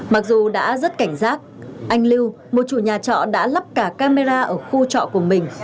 mặc dù đã rất cảnh giác anh lưu một chủ nhà trọ đã lắp cả camera ở khu trọ của mình